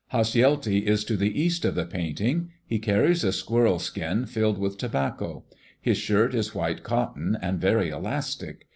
Hasjelti is to the east of the painting. He carries a squirrel skin filled with tobacco. His shirt is white cotton and very elastic.